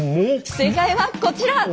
正解はこちら！